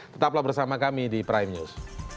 tetaplah bersama kami di prime news